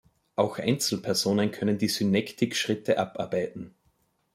Auch Einzelpersonen können die Synektik-Schritte abarbeiten.